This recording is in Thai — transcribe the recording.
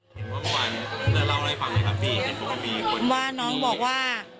วันเมื่อเล่าอะไรฟังไหมครับพี่เห็นพวกมีคนว่าน้องบอกว่า